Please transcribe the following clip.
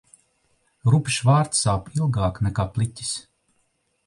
Rupjš vārds sāp ilgāk nekā pliķis.